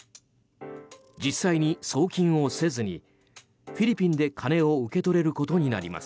実際に送金をせずにフィリピンで金を受け取れることになります。